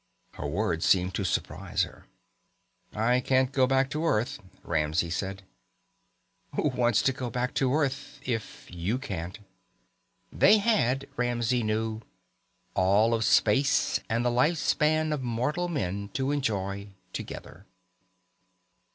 Her words seemed to surprise her. "I can't go back to Earth," Ramsey said. "Who wants to go back to Earth if you can't?" They had, Ramsey knew, all of space and the life span of mortal man to enjoy together.